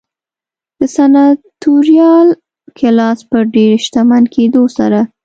د سناتوریال کلاس په ډېر شتمن کېدو سره